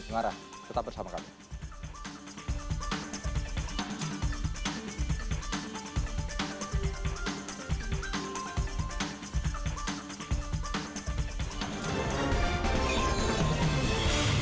pengarah tetap bersama kami